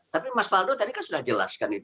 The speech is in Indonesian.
tapi mas faldo tadi sudah jelaskan itu